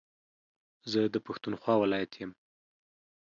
زه دا پښتونخوا ولايت يم